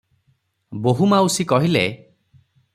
ବୋହୂମାଉସୀ କହିଲେ --